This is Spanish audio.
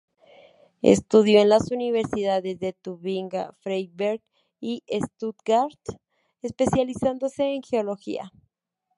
Estudió en las universidades de Tubinga, Freiberg y Stuttgart, especializándose en geología.